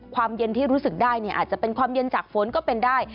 ความเย็นที่รู้สึกได้อาจจะเป็นความเย็นจากฝนก็เป็นได้